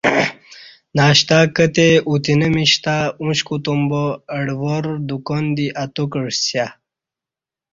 ناشتہ کتے اوتنہ میش تہ اوش کوتوم با اہ ڈہ ور دکان دی اتو کعسیہ